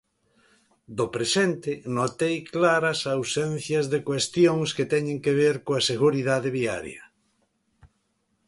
Do presente, notei claras ausencias de cuestións que teñen que ver coa seguridade viaria.